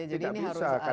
tidak bisa karena itu kan